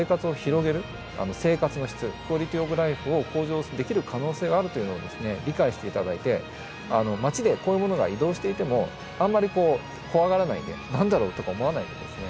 生活の質クオリティーオブライフを向上できる可能性があるというのをですね理解して頂いて街でこういうものが移動していてもあんまり怖がらないで何だろうとか思わないでですね